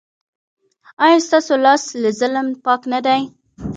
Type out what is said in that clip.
ایا ستاسو لاس له ظلم پاک نه دی؟